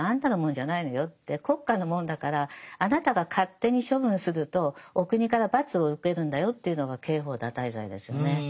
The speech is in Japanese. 国家のもんだからあなたが勝手に処分するとお国から罰を受けるんだよというのが刑法堕胎罪ですよね。